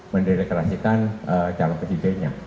mendelektrasikan calon kejadianya